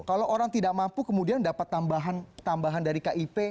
kalau orang tidak mampu kemudian dapat tambahan dari kip